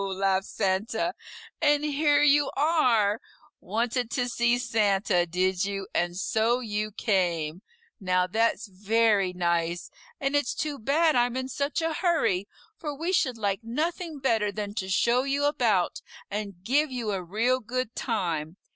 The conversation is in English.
laughed Santa, "and here you are! Wanted to see Santa, did you, and so you came! Now that's very nice, and it's too bad I'm in such a hurry, for we should like nothing better than to show you about and give you a real good time.